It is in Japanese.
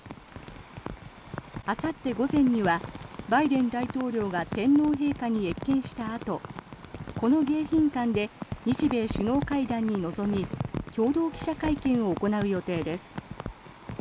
あさって午前にはバイデン大統領が天皇陛下に謁見したあとこの迎賓館で日米首脳会談に臨み共同記者会見を行う予定です。